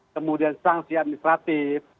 kemudian sanksi administratif